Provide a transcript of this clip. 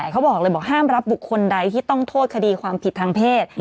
เขาบอกเลยบอกห้ามรับบุคคลใดที่ต้องโทษคดีความผิดทางเพศ